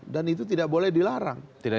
dan itu tidak boleh dilarang